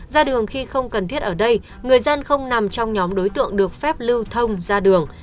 ra đường khi không cần thiết ở đây người dân không nằm trong nhóm đối tượng được phép lưu thông ra đường